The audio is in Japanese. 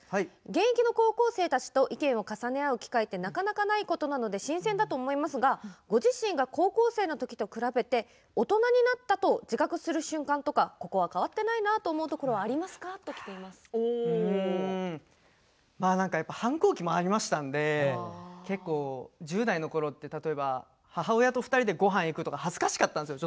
現役の高校生たちと意見を重ね合う機会ってなかなかないことなので新鮮だと思いますがご自身が高校生のときと比べて大人になったと自覚する瞬間とかここは変わってないなと思うやっぱり反抗期もありましたので１０代のころって、例えば母親と２人でごはん行くとか恥ずかしかったんですよ